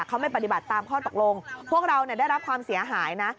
เขาไม่ปฏิบัติตามข้อตกลงพวกเราได้รับความเสียหายนะ